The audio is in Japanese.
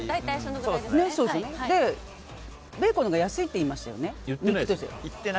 ベーコンのほうが安いって言ってましたよね。